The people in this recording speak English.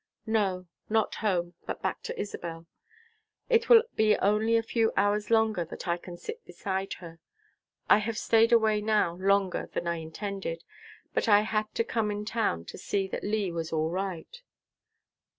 "No, not home, but back to Isabel. It will be only a few hours longer that I can sit beside her. I have staid away now longer than I intended, but I had to come in town to see that Lee was all right."